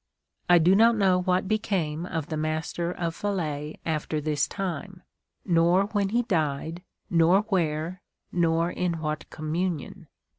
..." I do not know what became of the Master of Falais after this time, nor when he died, nor where, nor in what communion.